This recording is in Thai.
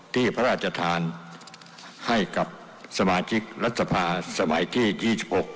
พระราชทานให้กับสมาชิกรัฐสภาสมัยที่๒๖